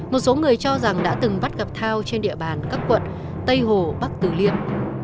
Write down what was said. một số người cho rằng đã từng bắt gặp thao trên địa bàn các quận tây hồ bắc tử liêm